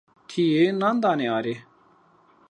Tiyê nan danê are.